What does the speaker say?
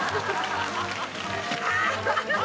ハハハハ！